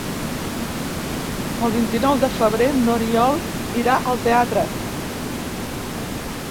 El vint-i-nou de febrer n'Oriol irà al teatre.